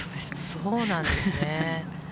そうなんですね。